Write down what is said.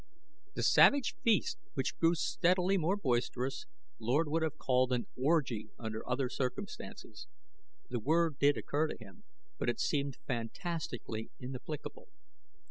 The savage feast, which grew steadily more boisterous, Lord would have called an orgy under other circumstances. The word did occur to him, but it seemed fantastically inapplicable.